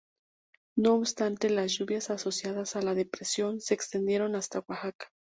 No obstante, las lluvias asociadas a la depresión se extendieron hasta Oaxaca.